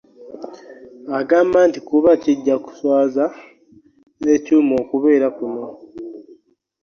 Agamba nti kuba kijja kuswaza ekyuma okubeera kuno